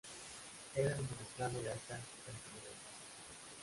Era un monoplano de alta cantilever.